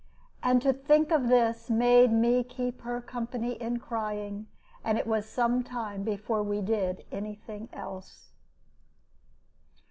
And to think of this made me keep her company in crying, and it was some time before we did any thing else.